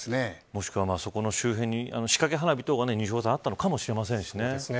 もしくは、そこの周辺に仕掛け花火等があったのかもしれませんしね。